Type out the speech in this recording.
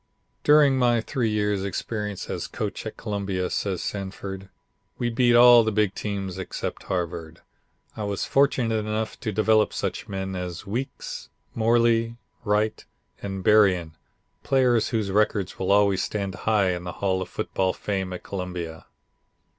"During my three years' experience as coach at Columbia," says Sanford, "we beat all the big teams except Harvard. I was fortunate enough to develop such men as Weekes, Morley, Wright, and Berrien, players whose records will always stand high in the Hall of Football Fame at Columbia.